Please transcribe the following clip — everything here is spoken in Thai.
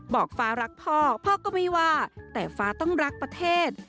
ฟ้ารักพ่อพ่อก็ไม่ว่าแต่ฟ้าต้องรักประเทศ